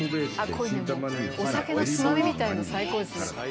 お酒のつまみみたいの最高です。